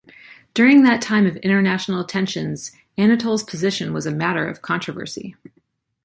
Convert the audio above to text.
During that time of international tensions, Anatole's position was a matter of controversy.